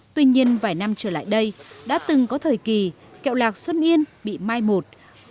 tuy nhiên vài năm trở lại đây đã từng có thời kỳ kẹo lạc xuân yên bị mai một